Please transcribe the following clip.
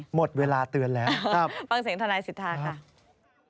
หมดเวลาเตือนแล้วครับฟังเสียงฐศิษฐาค่ะครับ